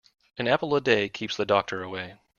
An apple a day keeps the doctor away.